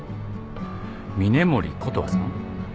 峰森琴葉さん。